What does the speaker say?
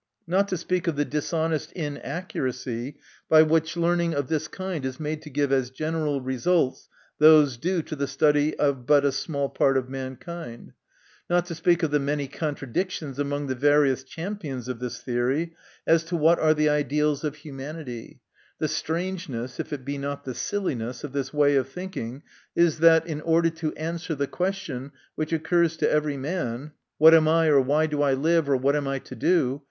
Not to speak of the dishonest inaccuracy, by which learning of this kind is made to give as general results those due to the study of but a small part of mankind ; not to speak of the many contradictions among the various cham pions of this theory, as to what are the ideals of humanity ; the strangeness, if it be not the silliness, of this way of thinking is that, in 46 MY CONFESSION. order to answer the question which occurs to every man " What am I ?" or " Why do I live ?" or " What am I to do